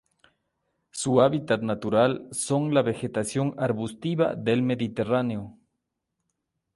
Su hábitat natural son la vegetación arbustiva del mediterráneo.